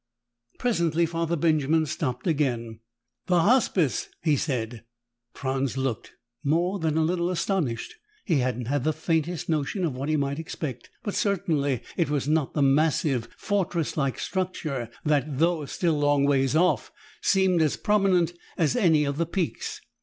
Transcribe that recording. Presently Father Benjamin stopped again. "The Hospice," he said. Franz looked, more than a little astonished. He hadn't had the faintest notion of what he might expect, but certainly it was not the massive, fortresslike structure that, though still a long ways off, seemed as prominent as any of the peaks.